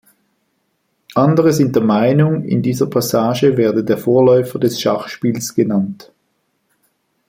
Andere sind der Meinung, in dieser Passage werde der Vorläufer des Schachspiels genannt.